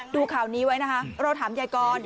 ดูข่าวนี้ไว้นะคะเราถามยายกร